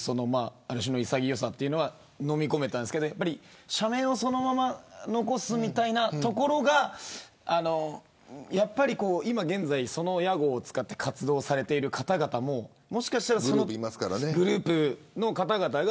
ある種の潔さはのみ込めたんですけど社名をそのまま残すみたいなところが現在、その屋号を使って活動されている方々もグループの方々が